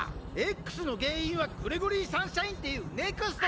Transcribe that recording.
Ｘの原因はグレゴリー・サンシャインっていうＮＥＸＴ。